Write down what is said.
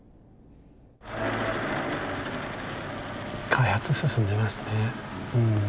開発進んでますね。